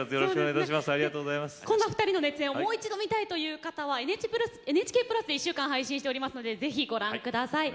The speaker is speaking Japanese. お二人の熱演をもう一度見たいという方はＮＨＫプラスで１週間配信いたしますのでぜひ、ご覧ください。